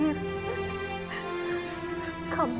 ini semua sudah jalan dari allah ma